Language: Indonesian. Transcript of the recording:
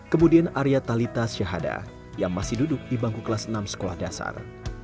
kemudian arya talitha syahada yang masih duduk di bangku kelas enam sekolah dasar